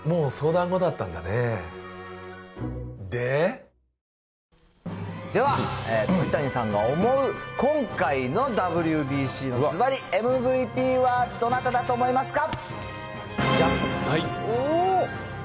「歩くのらくらくうす型パンツ」では、鳥谷さんの思う、今回のＷＢＣのずばりＭＶＰはどなただと思いますか。